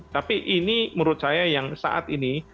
tapi ini menurut saya yang saat ini